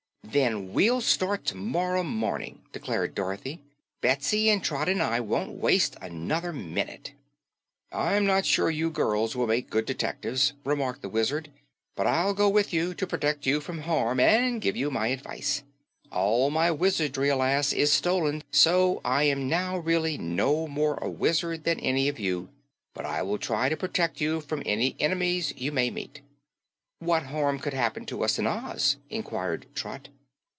"Then we'll start tomorrow morning," decided Dorothy. "Betsy and Trot and I won't waste another minute." "I'm not sure you girls will make good detectives," remarked the Wizard, "but I'll go with you to protect you from harm and to give you my advice. All my wizardry, alas, is stolen, so I am now really no more a wizard than any of you, but I will try to protect you from any enemies you may meet." "What harm could happen to us in Oz?" inquired Trot.